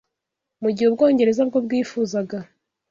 mu gihe u Bwongereza bwo bwifuzaga